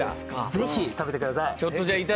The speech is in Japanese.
ぜひ、食べてください。